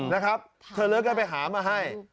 นะครับเธอเลยก็ไปหามาให้